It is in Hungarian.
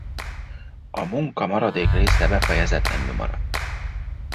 A munka maradék része befejezetlenül maradt.